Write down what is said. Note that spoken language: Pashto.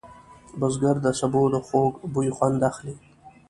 بزګر د سبو د خوږ بوی خوند اخلي